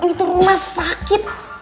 ini tuh rumah sakit